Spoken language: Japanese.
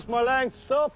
ストップ！